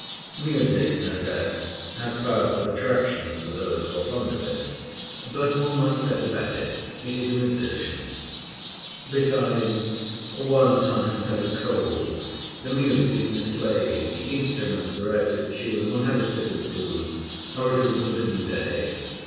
Music, no doubt, has powerful attractions for those who are fond of it, but one must set about it it is an exertion. Besides, one sometimes has a cold, the music is mislaid, the instruments are out of tune, one has a fit of the blues, or it is a forbidden day.